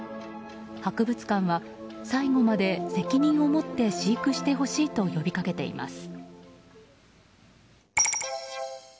博物館は最後まで責任をもって飼育してほしいと呼びかけています。